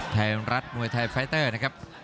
ไทยรัฐมวยไทยไฟเตอร์นะครับ